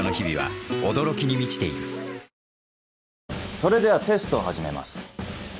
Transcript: それではテストを始めます。